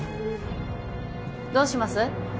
どうします？